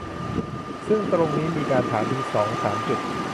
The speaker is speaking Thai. ซึ่งตรงนี้มีการถามถึงสองสามจุด